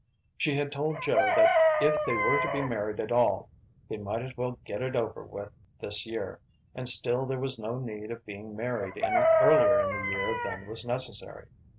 She had told Joe that if they were to be married at all they might as well get it over with this year, and still there was no need of being married any earlier in the year than was necessary.